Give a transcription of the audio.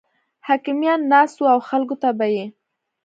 حکیمان ناست وو او خلکو ته به یې